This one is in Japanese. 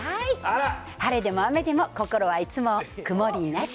晴れでも雨でも、心はいつも曇りなし。